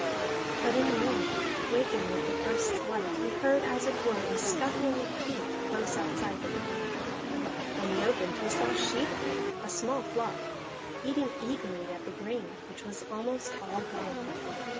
But in the morning, waking with the first light, he heard as it were a scuffling of feet close outside the door; when he opened he saw sheep there, a small flock, eating eagerly at the grain, which was almost all gone.